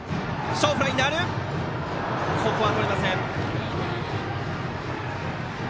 ここはとれませんでした。